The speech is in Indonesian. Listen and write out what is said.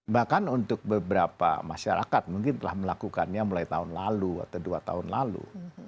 bahkan untuk beberapa masyarakat mungkin telah melakukannya mulai tahun lalu atau dua tahun lalu